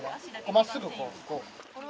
真っすぐこう。